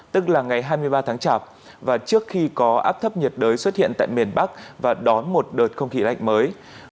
tức là ngày hai mươi ba tháng chạp và trước khi có áp thấp nhiệt đới xuất hiện tại miền bắc và đón một đợt không khí lạnh mới